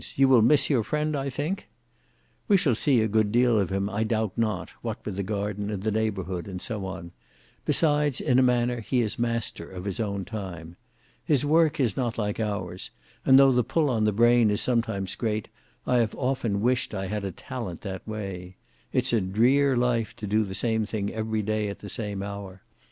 You will miss your friend, I should think?" "We shall see a good deal of him, I doubt not, what with the garden and neighbourhood and so on; besides, in a manner, he is master of his own time. His work is not like ours; and though the pull on the brain is sometimes great, I have often wished I had a talent that way. It's a drear life to do the same thing every day at the same hour.